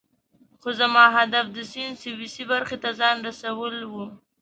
خو زما هدف د سیند سویسی برخې ته ځان رسول وو.